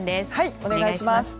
お願いします。